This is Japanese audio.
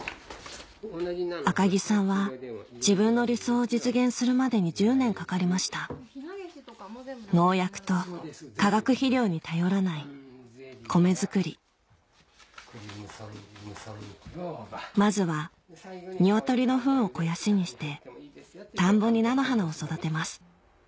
赤木さんは自分の理想を実現するまでに１０年かかりました農薬と化学肥料に頼らない米作りまずは鶏のふんを肥やしにして田んぼに菜の花を育てます